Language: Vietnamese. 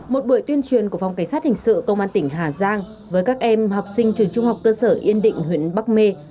một buổi tuyên truyền của phòng cảnh sát hình sự công an tỉnh hà giang với các em học sinh trường trung học cơ sở yên định huyện bắc mê